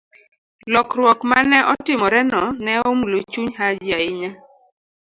Lokruok ma ne otimoreno ne omulo chuny Haji ahinya.